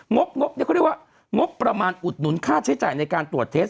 บเขาเรียกว่างบประมาณอุดหนุนค่าใช้จ่ายในการตรวจเทส